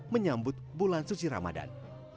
menyambut bulan suci ramadhan